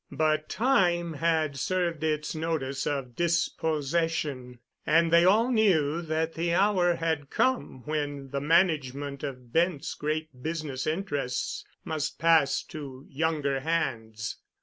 But Time had served its notice of dispossession, and they all knew that the hour had come when the management of Bent's great business interests must pass to younger hands.